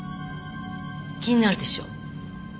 気になるでしょ？